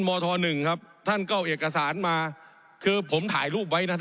ผมอภิปรายเรื่องการขยายสมภาษณ์รถไฟฟ้าสายสีเขียวนะครับ